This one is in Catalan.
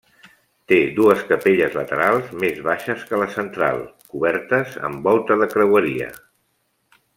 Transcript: Té dues capelles laterals més baixes que la central, cobertes amb volta de creueria.